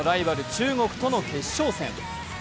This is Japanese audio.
中国との決勝戦。